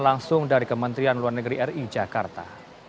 langsung dari kementerian luar negeri ri jakarta